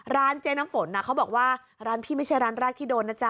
ร้านเจ๊น้ำฝนเขาบอกว่าร้านพี่ไม่ใช่ร้านแรกที่โดนนะจ๊